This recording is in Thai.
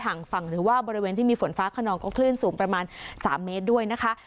ฝั่งฝั่งหรือว่าบริเวณที่มีฝนฟ้าขนองก็คลื่นสูงประมาณ๓เมตรด้วยนะคะ